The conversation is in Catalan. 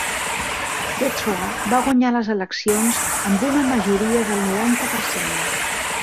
Detroit va guanyar les eleccions amb una majoria del noranta per cent.